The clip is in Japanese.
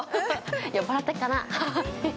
酔っ払ってるかな。